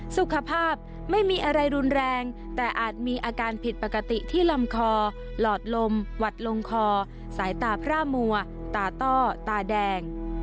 สุขภาพไม่มีอะไรรุนแรงแต่อาจมีอาการผิดปกติที่ลำคอหลอดลมหวัดลงคอสายตาพร่ามัวตาต้อตาแดง